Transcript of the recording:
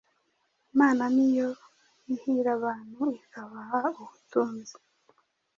Imana ni yo ihira abantu ikabaha ubutunzi,